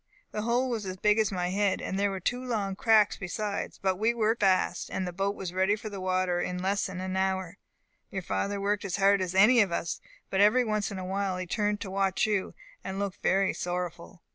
The hole was big as my head, and there were two long cracks besides; but we worked very fast, and the boat was ready for the water in less than an hour. Your father worked as hard as any of us, but every once in a while he turned to watch you, and looked very sorrowful.